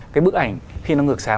cái bức ảnh khi nó ngược sáng